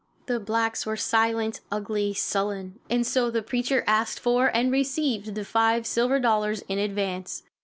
The blacks were silent, ugly, sullen, and so the preacher asked for and received the five silver dollars in advance.